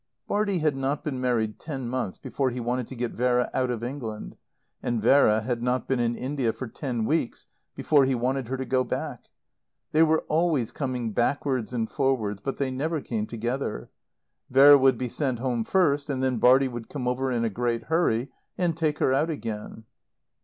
Bartie had not been married ten months before he wanted to get Vera out of England; and Vera had not been in India for ten weeks before he wanted her to go back. They were always coming backwards and forwards, but they never came together. Vera would be sent home first, and then Bartie would come over in a great hurry and take her out again.